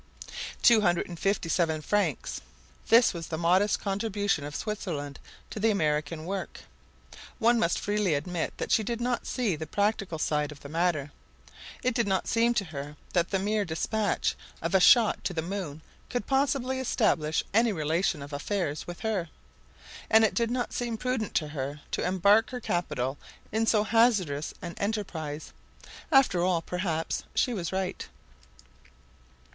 Two hundred and fifty seven francs, this was the modest contribution of Switzerland to the American work. One must freely admit that she did not see the practical side of the matter. It did not seem to her that the mere despatch of a shot to the moon could possibly establish any relation of affairs with her; and it did not seem prudent to her to embark her capital in so hazardous an enterprise. After all, perhaps she was right.